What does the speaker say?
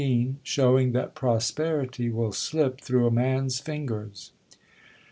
— Showing that prosperity will slip through a man 's fingers.